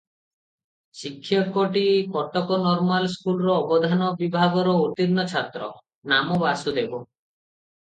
ଶିକ୍ଷକଟି Cuttack normal ସ୍କୁଲର ଅବଧାନ ବିଭାଗର ଉତ୍ତୀର୍ଣ୍ଣ ଛାତ୍ର, ନାମ ବାସୁଦେବ ।